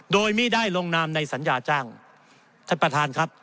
โดยไม่ได้ลงนามในสัญญาจ้างท่านประธานครับ